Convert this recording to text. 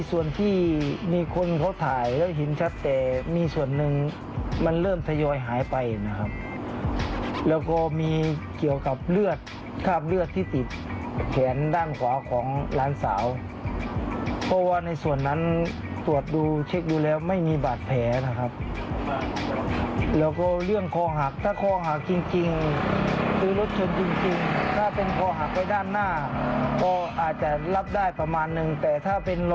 ส่วนที่มีคนเขาถ่ายแล้วเห็นชัดแต่มีส่วนหนึ่งมันเริ่มทยอยหายไปนะครับแล้วก็มีเกี่ยวกับเลือดคราบเลือดที่ติดแขนด้านขวาของหลานสาวเพราะว่าในส่วนนั้นตรวจดูเช็คดูแล้วไม่มีบาดแผลนะครับแล้วก็เรื่องคอหักถ้าคอหักจริงคือรถชนจริงถ้าเป็นคอหักไปด้านหน้าก็อาจจะรับได้ประมาณนึงแต่ถ้าเป็น